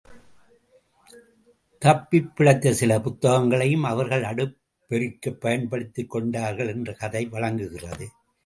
தப்பிப்பிழைத்த சில புத்தகங்களையும், அவர்கள் அடுப்பெறிக்கப் பயன்படுத்திக் கொண்டார்கள் என்று கதை வழங்குகிறது.